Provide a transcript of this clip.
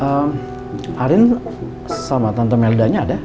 ehm arin sama tante melda nya ada